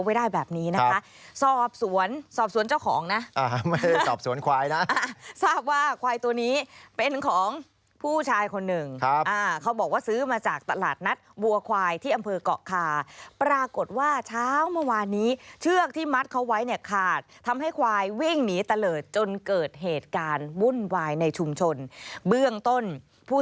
ไว้ได้แบบนี้นะคะสอบสวนสอบสวนเจ้าของนะไม่ได้สอบสวนควายนะทราบว่าควายตัวนี้เป็นของผู้ชายคนหนึ่งครับเขาบอกว่าซื้อมาจากตลาดนัดวัวควายที่อำเภอกเกาะคาปรากฏว่าเช้าเมื่อวานนี้เชือกที่มัดเขาไว้เนี่ยขาดทำให้ควายวิ่งหนีตะเลิศจนเกิดเหตุการณ์วุ่นวายในชุมชนเบื้องต้นผู้